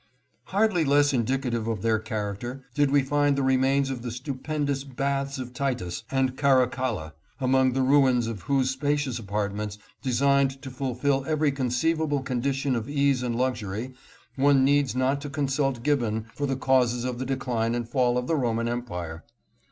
Hardly less indicative of their character did we find the remains of the stupendous Baths of Titus, Diocle tian, and Caracalla, among the ruins of whose spacious apartments, designed to fulfill every conceivable condi tion of ease and luxury, one needs not to consult Gibbon for the causes of the decline and fall of the Roman Empire.